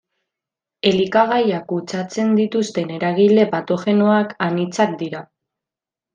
Elikagaiak kutsatzen dituzten eragile patogenoak anitzak dira.